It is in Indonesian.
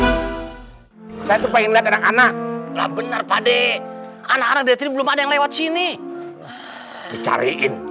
hai saya tuh pengen anak anak lah benar pade anak anak dari belum ada yang lewat sini dicariin